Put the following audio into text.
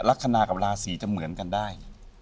ลักษณะกับราศีจะเหมือนกันได้